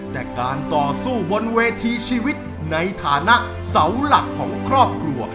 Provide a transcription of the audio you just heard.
แต่การต่อสู้บนเวทีชีวิตในฐานะเสาหลักของครอบครัว